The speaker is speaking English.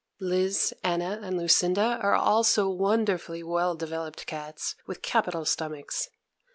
Liz, Anna, and Lucinda are also wonderfully well developed cats, with capital stomachs.